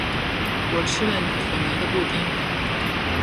我吃了可妮的布丁